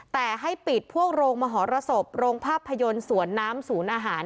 แต่ให้ปิดพวกโรงมหรสบโรงภาพยนตร์สวนน้ำศูนย์อาหาร